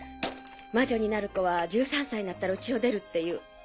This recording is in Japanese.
魔女になる子は１３歳になったら家を出るっていう。